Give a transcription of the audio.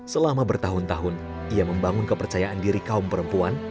selama bertahun tahun ia membangun kepercayaan diri kaum perempuan